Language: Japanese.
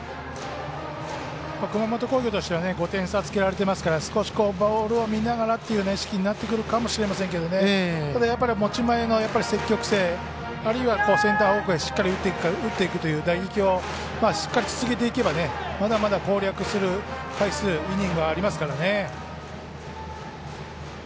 熊本工業としては５点差つけられてますから少し、ボールを見ながらという意識になってくるかもしれませんが持ち前の積極性あるいはセンター方向へしっかり打っていくという打撃をしっかり続けていけばまだまだ、攻略する回数イニングはありますからね。